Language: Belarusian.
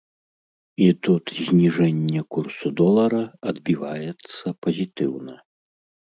І тут зніжэнне курсу долара адбіваецца пазітыўна.